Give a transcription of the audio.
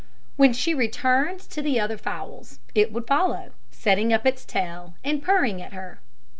When she returned to the other fowls, it would follow, setting up its tail, and purring at her.